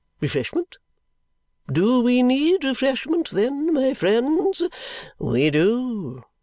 Refreshment. Do we need refreshment then, my friends? We do.